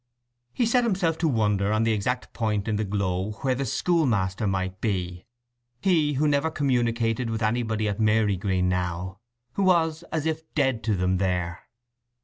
He set himself to wonder on the exact point in the glow where the schoolmaster might be—he who never communicated with anybody at Marygreen now; who was as if dead to them here.